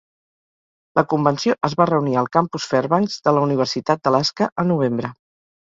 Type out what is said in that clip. La convenció es va reunir al campus Fairbanks de la Universitat d'Alaska a novembre.